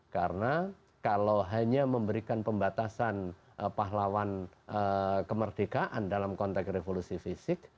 karena kalau hanya memberikan pembatasan pahlawan kemerdekaan dalam konteks revolusi fisik